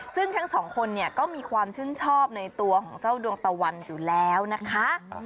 ซึ่งทั้งสองคนเนี่ยก็มีความชื่นชอบในตัวของเจ้าดวงตะวันอยู่แล้วนะคะ